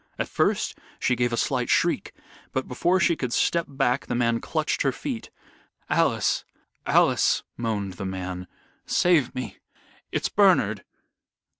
At first she gave a slight shriek, but before she could step back the man clutched her feet "Alice! Alice!" moaned the man. "Save me! it's Bernard."